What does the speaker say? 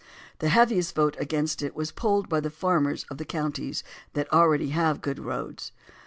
The heaviest vote against it was polled by the farmers of the counties that already have good roads.